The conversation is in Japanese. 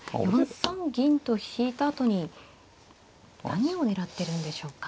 ４三銀と引いたあとに何を狙ってるんでしょうか。